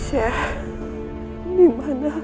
seh dimana anakku rara santang